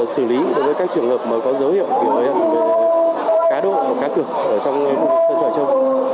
xử lý đối với các trường hợp có dấu hiệu về cá độ cá cực ở trong khu vực sơn chỏi châu